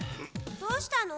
どうしたの？